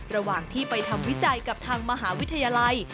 ระหว่างที่ไปทำวิจัยกับทางมหาวิทยาลัย